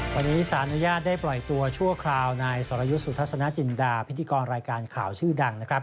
วันนี้ศาลนุญาตได้ปล่อยตัวชั่วคราวในสรยุสุทธสนาจินดาพิธีกรรายการข่าวชื่อดัง